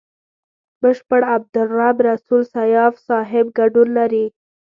بشپړ عبدالرب رسول سياف صاحب ګډون لري.